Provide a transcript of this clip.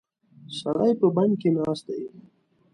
سړی په بند کې ناست دی.